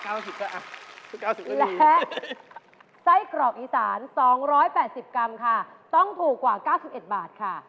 และไส้กรอกอีสาน๒๘๐กรัมค่ะต้องถูกกว่า๙๑บาทค่ะ